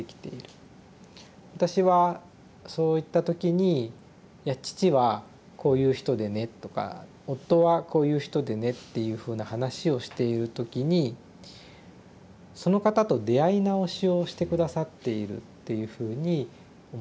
私はそういった時に「いや父はこういう人でね」とか「夫はこういう人でね」っていうふうな話をしている時にその方と出会い直しをして下さっているっていうふうに思っていて。